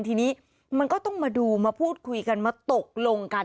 ทีนี้มันก็ต้องมาดูมาพูดคุยกันมาตกลงกัน